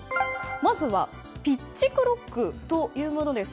まずはピッチクロックというものです。